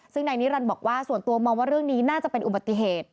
ซึ่งนายนิรันดิ์บอกว่าส่วนตัวมองว่าเรื่องนี้น่าจะเป็นอุบัติเหตุ